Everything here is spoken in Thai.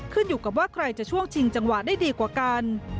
ขึ้นอยู่กับว่าใครจะช่วงชิงจังหวะได้ดีกว่ากัน